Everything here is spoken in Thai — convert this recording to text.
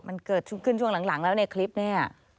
มันเกิดขึ้นช่วงหลังแล้วในคลิปเนี่ย